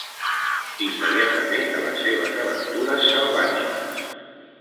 Immediatament de les seves aventures selvàtiques.